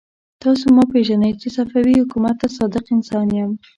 تاسو ما پېژنئ چې صفوي حکومت ته صادق انسان يم.